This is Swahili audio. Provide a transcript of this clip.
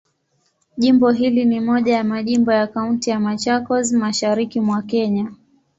Jimbo hili ni moja ya majimbo ya Kaunti ya Machakos, Mashariki mwa Kenya.